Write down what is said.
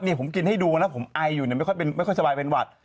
เนี้ยผมกินให้ดูนะผมไออยู่เนี้ยไม่ค่อยเป็นไม่ค่อยสบายเป็นหวัด